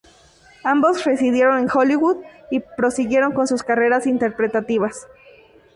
Ambos residieron en Hollywood y prosiguieron con sus carreras interpretativas.